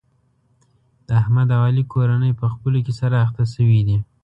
د احمد او علي کورنۍ په خپلو کې سره اخته شوې دي.